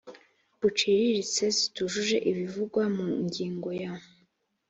buciriritse zitujuje ibivugwa mu ngingo ya